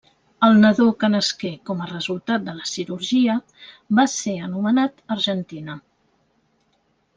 El nadó que nasqué com a resultat de la cirurgia va ser anomenat Argentina.